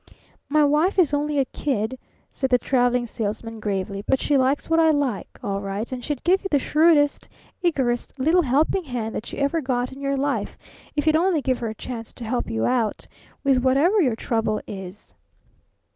"My wife is only a kid," said the Traveling Salesman gravely, "but she likes what I like all right and she'd give you the shrewdest, eagerest little 'helping hand' that you ever got in your life if you'd only give her a chance to help you out with whatever your trouble is."